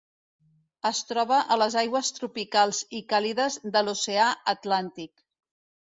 Es troba a les aigües tropicals i càlides de l'Oceà Atlàntic.